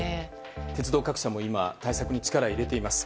鉄道各社も今対策に力を入れています。